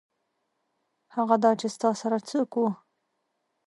هغه دا چې ستا سره څوک وو.